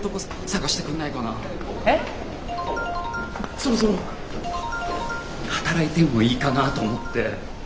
そろそろ働いてもいいかなと思って。